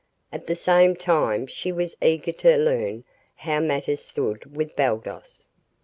At the same time she was eager to learn how matters stood with Baldos.